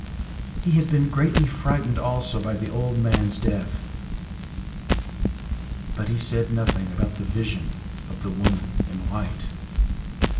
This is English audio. He had been greatly frightened also by the old man’s death; but he said nothing about the vision of the woman in white.